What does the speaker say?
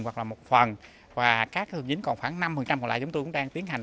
hoặc là một phần và các thủ tục hành chính còn khoảng năm còn lại chúng tôi cũng đang tiến hành